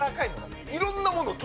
いろんな物